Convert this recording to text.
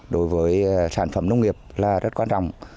đối với sản phẩm nông nghiệp là rất quan trọng